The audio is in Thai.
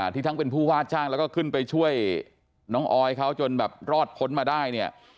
ทั้งเป็นผู้ว่าจ้างแล้วก็ขึ้นไปช่วยน้องออยเขาจนแบบรอดพ้นมาได้เนี่ย